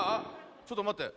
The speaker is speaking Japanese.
ちょっとまって。